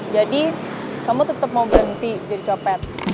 jadi kamu tetep mau berhenti jadi copet